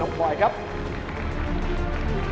๓๓๐ครับนางสาวปริชาธิบุญยืน